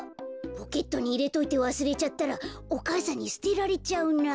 ポケットにいれといてわすれちゃったらお母さんにすてられちゃうな。